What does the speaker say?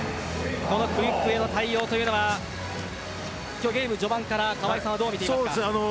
このクイックへの対応は今日のゲーム序盤から川合さんはどう見ていますか？